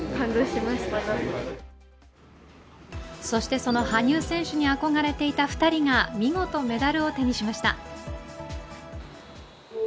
そしてその羽生選手に憧れていた２人が見事、メダルを手にしました。